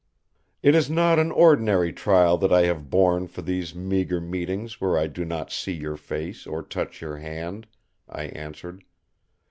"It is not an ordinary trial that I have borne for these meagre meetings where I do not see your face or touch your hand," I answered.